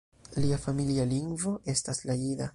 Lia familia lingvo estas la jida.